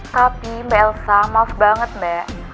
tapi mbak elsa maaf banget mbak